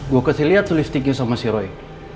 gue kasih liat tuh lipstick nya sama si roy